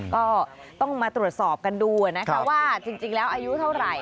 ก็ต้องมาตรวจสอบกันดูนะคะว่าจริงแล้วอายุเท่าไหร่